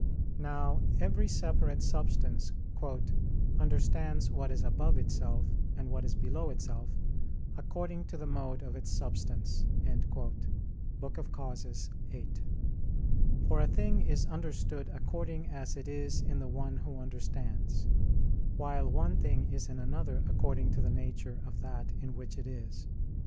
Now, every separate substance "understands what is above itself and what is below itself, according to the mode of its substance" (De Causis viii): for a thing is understood according as it is in the one who understands; while one thing is in another according to the nature of that in which it is.